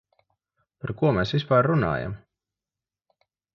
Par ko mēs vispār runājam?